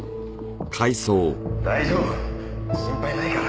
大丈夫心配ないから。